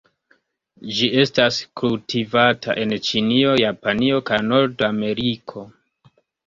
Ĝi estas kultivata en Ĉinio, Japanio kaj Nord-Ameriko.